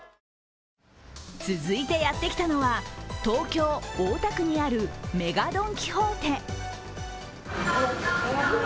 続いてやってきたのは東京・大田区にあるＭＥＧＡドン・キホーテ。